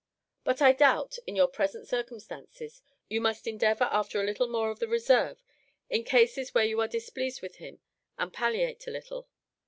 But I doubt, in your present circumstances, you must endeavour after a little more of the reserve, in cases where you are displeased with him, and palliate a little.